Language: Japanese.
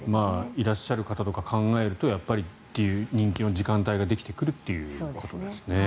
いらっしゃる方とかを考えるとやっぱり人気の時間帯ができてくるっていうことですね。